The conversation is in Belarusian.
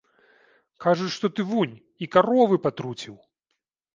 Кажуць, што ты вунь і каровы патруціў.